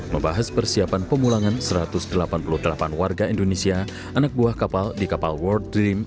membahas persiapan pemulangan satu ratus delapan puluh delapan warga indonesia anak buah kapal di kapal world dream